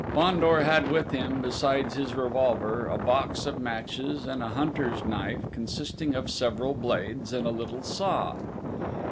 Fandor had with him, besides his revolver, a box of matches, and a hunter's knife consisting of several blades, and a little saw.